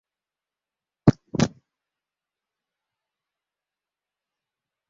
Ties natura habitato estas malaltaj humidaj arbaroj kaj tre degraditaj iamaj praarbaroj.